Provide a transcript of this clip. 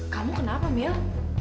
kamu kenapa mil